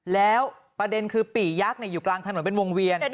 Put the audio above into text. แล้วประเด็นคือปี่ยักษ์อยู่กลางถนนเป็นวงเวียน